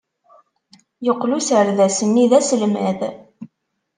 Yeqqel userdas-nni d aselmad.